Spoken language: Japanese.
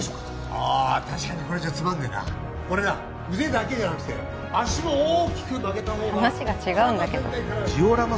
ああ確かにこれじゃつまんねえなこれな腕だけじゃなくて脚も大きく曲げた方が話が違うんだけどジオラマ